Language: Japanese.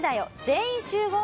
全員集合』。